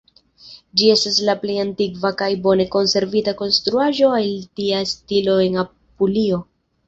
Ĝi estas la plej antikva kaj bone konservita konstruaĵo el tia stilo en Apulio.